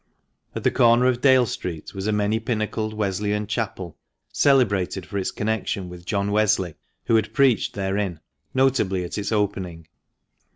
At the corner of Dale Street was a many pinnacled Wesleyan Chapel, celebrated for its connection with John Wesley, who had preached therein, notably at its opening.